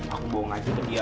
aku bawa ngaji ke dia